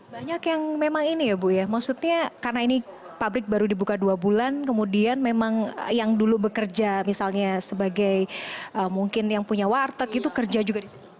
banyak yang memang ini ya bu ya maksudnya karena ini pabrik baru dibuka dua bulan kemudian memang yang dulu bekerja misalnya sebagai mungkin yang punya warteg itu kerja juga di sini